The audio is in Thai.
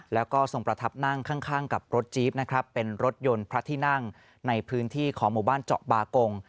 แล้วก็ทรงประทับนั่งข้างกับรถจี๊บนะครับเป็นรถยนต์พระที่นั่งในพื้นที่ของหมู่บ้านเจาะบากง